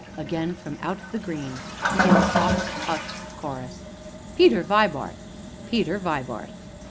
And again from out the green came the soft, hushed chorus: "Peter Vibart Peter Vibart!"